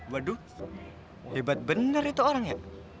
waduh hebat benar itu orangnya